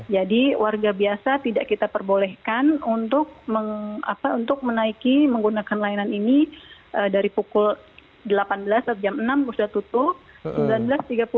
jadi warga biasa tidak kita perbolehkan untuk mengapa untuk menaiki menggunakan layanan ini dari pukul delapan belas atau jam enam sudah tutup